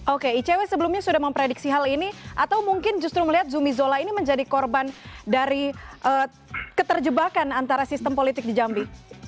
oke icw sebelumnya sudah memprediksi hal ini atau mungkin justru melihat zumi zola ini menjadi korban dari keterjebakan antara sistem politik di jambi